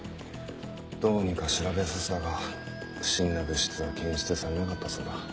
どうにか調べさせたが不審な物質は検出されなかったそうだ。